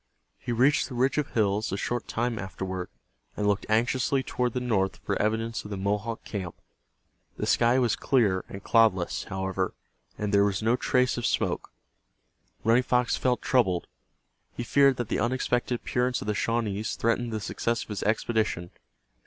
He reached the ridge of hills a short time afterward, and looked anxiously toward the north for evidence of the Mohawk camp. The sky was clear and cloudless, however, and there was no trace of smoke. Running Fox felt troubled. He feared that the unexpected appearance of the Shawnees threatened the success of his expedition.